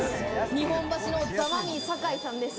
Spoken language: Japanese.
日本橋のザ・マミィ酒井さんです。